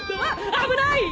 危ない！